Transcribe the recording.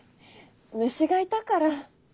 虫がいたから。